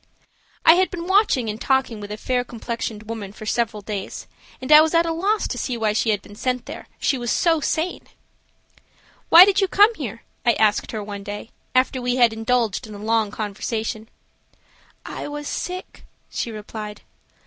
I had been watching and talking with a fair complexioned woman for several days, and I was at a loss to see why she had been sent there, she was so sane. "Why did you come here?" I asked her one day, after we had indulged in a long conversation. "I was sick," she replied.